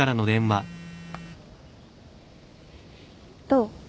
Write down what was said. どう？